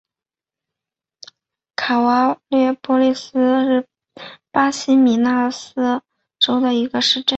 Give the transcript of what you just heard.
卡瓦略波利斯是巴西米纳斯吉拉斯州的一个市镇。